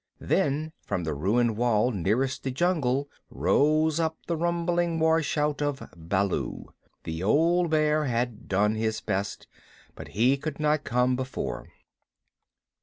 Then from the ruined wall nearest the jungle rose up the rumbling war shout of Baloo. The old Bear had done his best, but he could not come before.